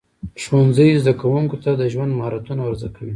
ښوونځی زده کوونکو ته د ژوند مهارتونه ورزده کوي.